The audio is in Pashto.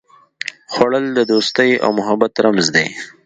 خوړل د دوستي او محبت رمز دی